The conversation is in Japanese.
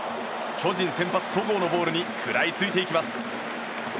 巨人先発、戸郷のボールに食らいついていきます。